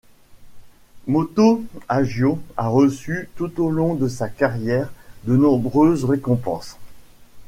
Moto Hagio a reçu tout au long de sa carrière de nombreuses récompenses.